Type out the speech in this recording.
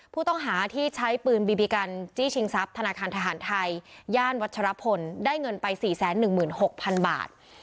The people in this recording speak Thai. ผู้ต้องหาที่ใช้ปืนบีบีกันจี้ชิงทรัพย์ธนาคารทหารไทยย่านวัชรพลได้เงินไป๔๑๖๐๐๐บาท